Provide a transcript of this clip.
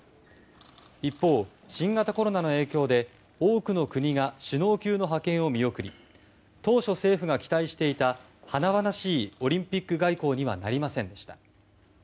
一方、新型コロナの影響で多くの国が首脳級の派遣を見送り当初政府が期待していた華々しいオリンピック外交にはなりませんでした。